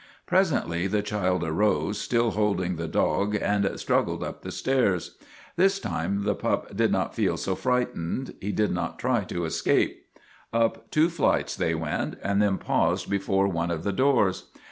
Presently the child arose, still holding the dog, and struggled up the stairs. This time the pup did MAGINNIS 57 not feel so frightened ; he did not try to escape. Up two flights they went, and then paused before one of the doors.